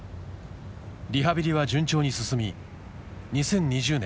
リハビリは順調に進み２０２０年